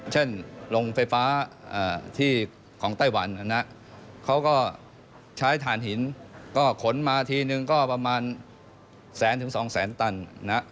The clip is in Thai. เช่นโรงไฟฟ้าของไต้หวันเนี่ยนะเขาก็ใช้ถ่านหินโขลนมาทีนึงประมาณแสนสองแสนตัน